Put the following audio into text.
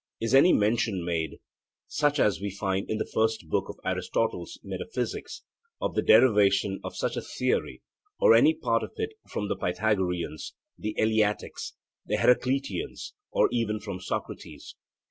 is any mention made such as we find in the first book of Aristotle's Metaphysics, of the derivation of such a theory or of any part of it from the Pythagoreans, the Eleatics, the Heracleiteans, or even from Socrates.